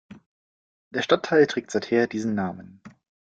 Der Stadtteil trägt seither diesen Namen.